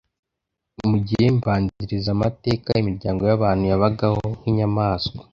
mu gihe mbanzirizamateka, Imiryango y’abantu yabagaho nk’inyamaswa